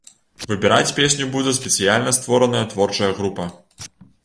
Выбіраць песню будзе спецыяльна створаная творчая група.